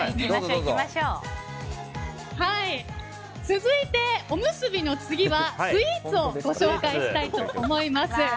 続いて、おむすびの次はスイーツをご紹介したいと思います。